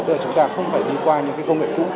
tức là chúng ta không phải đi qua những cái công nghệ cũ